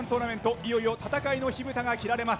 いよいよ戦いの火ぶたが切られます。